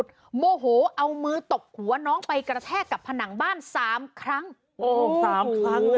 จริงจริงจริงจริงจริงจริงจริงจริงจริง